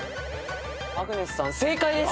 アグネスさん正解です。